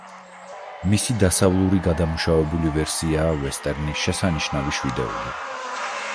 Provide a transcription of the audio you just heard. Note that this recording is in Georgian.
მისი დასავლური გადამუშავებული ვერსიაა ვესტერნი „შესანიშნავი შვიდეული“.